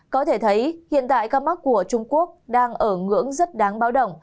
có thể thấy hiện tại các mắt của trung quốc đang ở ngưỡng rất đáng báo